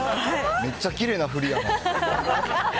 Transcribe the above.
めっちゃきれいな振りやな。